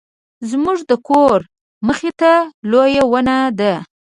زموږ د کور مخې ته لویه ونه ده